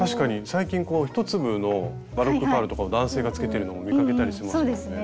最近１粒のバロックパールとかを男性が着けてるのも見かけたりしますよね。